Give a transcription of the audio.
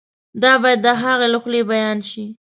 دا باید د هغه له خولې بیان شي.